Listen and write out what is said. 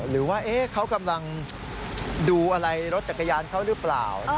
หรือว่าเขากำลังดูอะไรรถจักรยานเขาหรือเปล่า